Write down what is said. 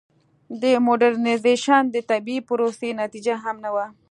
د موډرنیزېشن د طبیعي پروسې نتیجه هم نه وه.